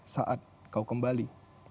saat kau kembali